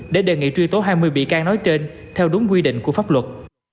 để đề nghị truy tố hai mươi bị can nói trên theo đúng quy định của pháp luật